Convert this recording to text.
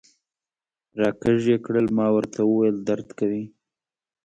را کږ یې کړل، ما ورته وویل: درد کوي.